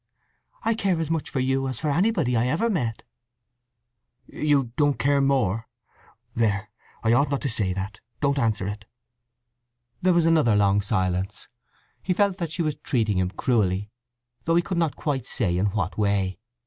"I care as much for you as for anybody I ever met." "You don't care more! There, I ought not to say that. Don't answer it!" There was another long silence. He felt that she was treating him cruelly, though he could not quite say in what way.